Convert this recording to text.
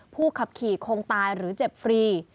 ผู้ขับขี่คงตายหรือเจ็บฟรี